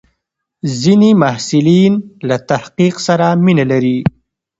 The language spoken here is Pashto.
ځینې محصلین له تحقیق سره مینه لري.